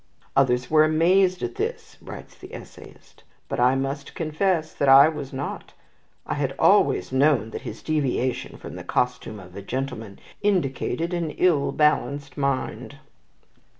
"Others were amazed at this," writes the essayist, "but I must confess that I was not. I had always known that his deviation from the costume of a gentleman indicated an ill balanced mind."